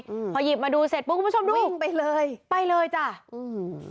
อืมพอหยิบมาดูเสร็จปุ๊บคุณผู้ชมดูไปเลยไปเลยจ้ะอืม